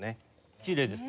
きれいです。